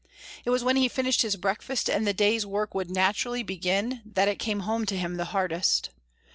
It was when he finished his breakfast and the day's work would naturally begin that it came home to him the hardest.